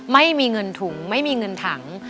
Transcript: ไม่มีเงินถุงไม่มีเงินถัง